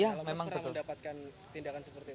kalau lo pernah mendapatkan tindakan seperti itu